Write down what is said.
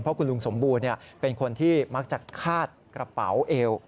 เพราะคุณลุงสมบูรณ์เป็นคนที่มักจะคาดกระเป๋าเอว